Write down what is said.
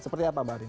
seperti apa mbak rin